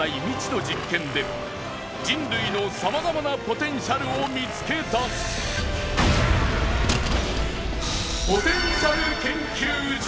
未知の実験で人類のさまざまなポテンシャルを見つけ出す